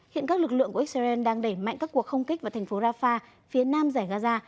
hiện các lực lượng của israel đang đẩy mạnh các cuộc không kích vào thành phố rafah phía nam giải gaza